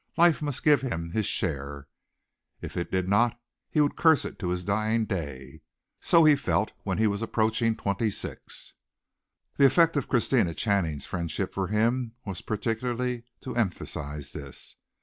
Life must give him his share. If it did not he would curse it to his dying day. So he felt when he was approaching twenty six. The effect of Christina Channing's friendship for him was particularly to emphasize this.